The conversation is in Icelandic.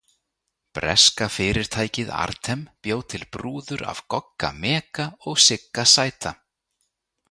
Breska fyrirtækið Artem bjó til brúður af Gogga mega og Sigga sæta.